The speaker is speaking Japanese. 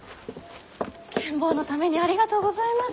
ケン坊のためにありがとうございます。